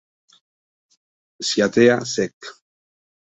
Cyathea secc.